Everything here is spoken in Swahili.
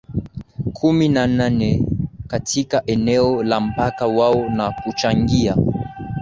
kumi na nane katika eneo la mpaka wao na kuchangia